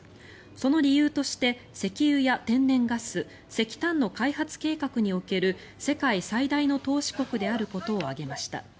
その理由として石油や天然ガス石炭の開発計画における世界最大の投資国であることを挙げました。